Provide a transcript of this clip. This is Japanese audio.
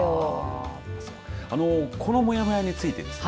このもやもやについてですね